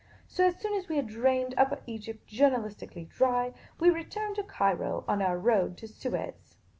So, as soon as we had drained Upper Egypt journalistically dry, we returned to Cairo on our road to Suez.